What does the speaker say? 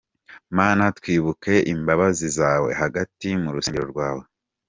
Mana, twibukiye imbabazi zawe, Hagati mu rusengero rwawe.